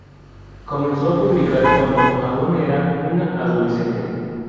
Comenzó a publicar cuando aún era una adolescente.